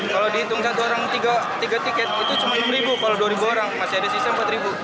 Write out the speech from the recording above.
kalau dihitung satu orang tiga tiket itu cuma enam ribu kalau dua ribu orang masih ada sisa empat ribu